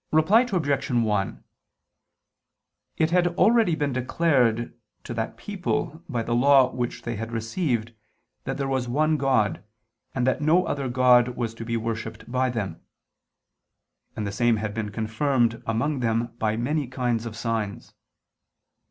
Reply Obj. 1: It had already been declared to that people by the law which they had received that there was one God, and that no other God was to be worshipped by them; and the same had been confirmed among them by many kinds of signs.